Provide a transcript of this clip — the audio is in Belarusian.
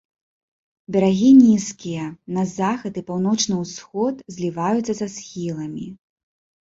Берагі нізкія, на захад і паўночны ўсход зліваюцца са схіламі.